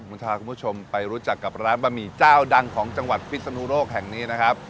ผมพาคุณผู้ชมไปรู้จักกับร้านบะหมี่เจ้าดังของจังหวัดพิศนุโลกแห่งนี้นะครับ